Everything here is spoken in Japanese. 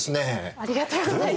ありがとうございます！